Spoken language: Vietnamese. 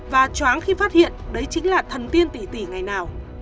và chóng khi phát hiện đấy chính là thần tiên tỷ tỷ ngày nào